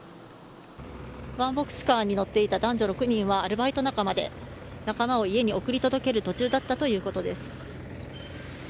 ワンボックスカーに乗っていた男女６人はアルバイト仲間で仲間を家に送り届ける途中だったということです。